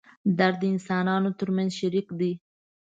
درد د انسانانو تر منځ شریک دی.